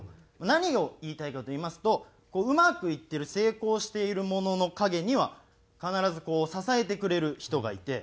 何を言いたいかといいますとうまくいってる成功している者の陰には必ずこう支えてくれる人がいて。